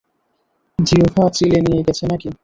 জিহ্বা চিলে নিয়ে গেছে না কি?